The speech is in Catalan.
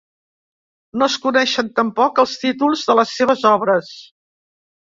No es coneixen tampoc els títols de les seves obres.